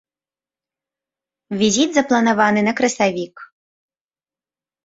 Візіт запланаваны на красавік.